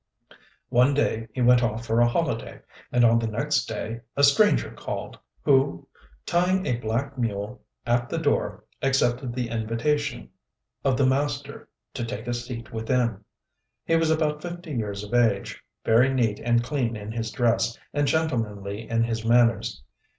One day he went off for a holiday, and on the next day a stranger called; who, tying a black mule at the door, accepted the invitation of the master to take a seat within. He was about fifty years of age, very neat and clean in his dress, and gentlemanly in his manners.